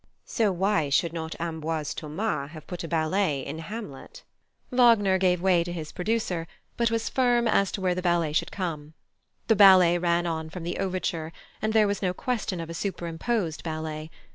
So why should not Ambroise Thomas have put a ballet in Hamlet? Wagner gave way to his producer, but was firm as to where the ballet should come. The ballet ran on from the overture, and there was no question of a superimposed ballet.